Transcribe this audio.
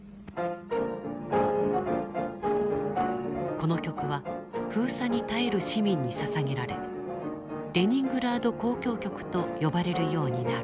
この曲は封鎖に耐える市民にささげられ「レニングラード交響曲」と呼ばれるようになる。